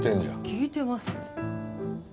聞いてますね。